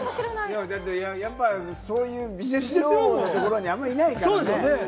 やっぱそういうビジネス用語のところにあんまりいないからね。